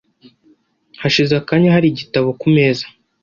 Hashize akanya hari igitabo ku meza?